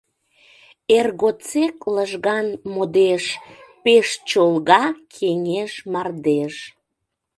Эр годсек лыжган модеш Пеш чолга кеҥеж мардеж.